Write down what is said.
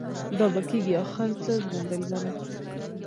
دا به کيږي اخر څه زما دلبره؟